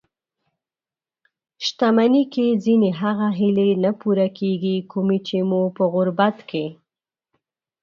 شتمني کې ځينې هغه هیلې نه پوره کېږي؛ کومې چې مو په غربت کې